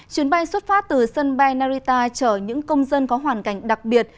chuyến bay xuất phát từ sân bay narita chở những công dân có hoàn cảnh đặc biệt